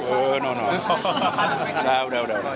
udah udah udah